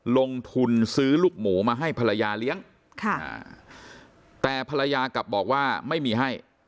ลงทุนซื้อลูกหมูมาให้ภรรยาเลี้ยงแต่ภรรยากลับบอกว่าไม่มีให้